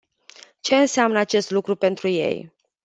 Ce înseamnă acest lucru pentru ei?